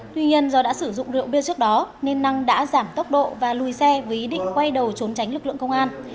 tuy nhiên do đã sử dụng rượu bia trước đó nên năng đã giảm tốc độ và lùi xe với ý định quay đầu trốn tránh lực lượng công an